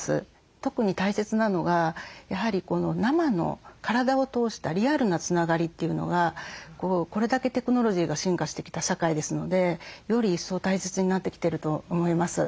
特に大切なのがやはり生の体を通したリアルなつながりというのがこれだけテクノロジーが進化してきた社会ですのでより一層大切になってきてると思います。